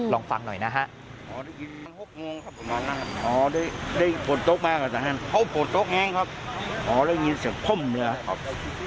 ลองฟังหน่อยนะฮะ